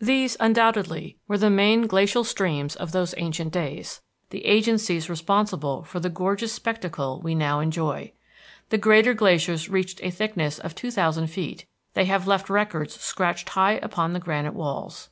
These undoubtedly were the main glacial streams of those ancient days, the agencies responsible for the gorgeous spectacle we now enjoy. The greater glaciers reached a thickness of two thousand feet; they have left records scratched high upon the granite walls.